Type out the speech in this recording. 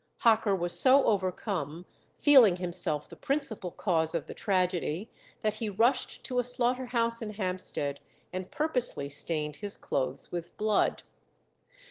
Hocker was so overcome, feeling himself the principal cause of the tragedy, that he rushed to a slaughter house in Hampstead and purposely stained his clothes with blood.